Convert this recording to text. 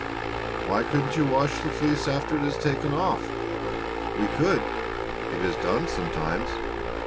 "Why couldn't you wash the fleece after it is taken off?" "We could. It is done sometimes.